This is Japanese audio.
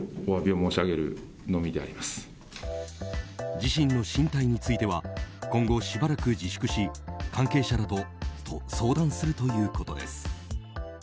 自身の進退については今後しばらく自粛し関係者らと相談するということです。